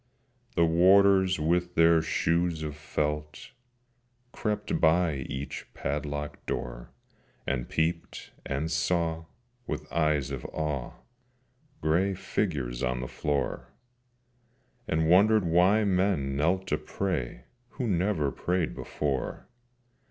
The Warders with their shoes of felt Crept by each padlocked door, And peeped and saw, with eyes of awe, Grey figures on the floor, And wondered why men knelt to pray Who never prayed before.